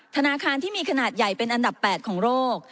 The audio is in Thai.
ธนาคารที่มีขนาดใหญ่เป็นอันดับ๘ของโลก